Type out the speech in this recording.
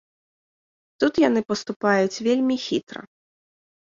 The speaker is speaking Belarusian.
Тут яны паступаюць вельмі хітра.